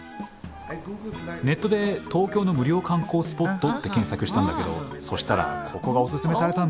ネットで「東京の無料観光スポット」って検索したんだけどそしたらここがおすすめされたんだよ。